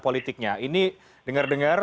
politiknya ini dengar dengar